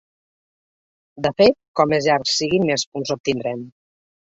De fet, com més llargs siguin més punts obtindrem.